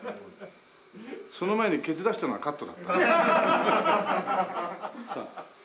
その前にケツ出したのはカットだった。